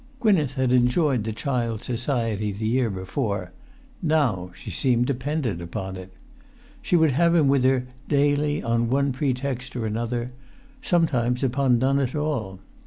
Gwynneth had enjoyed the child's society the year before; now she seemed dependent upon it. She would have him with her daily on one pretext or another, sometimes upon none at all.